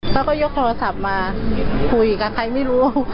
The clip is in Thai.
แล้วก็ยกโทรศัพท์มาคุยกับใครไม่รู้